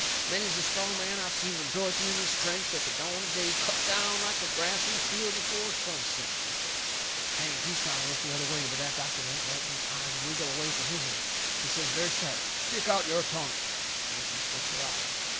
Many's the strong man I've seen rejoicing in his strength at the dawn of day cut down like the grass in the field before sunset," he says. Hank, he's trying to look the other way, but that doctor won't let his eyes wiggle away from his'n. He says very sharp: "Stick out your tongue!" Hank, he sticks her out.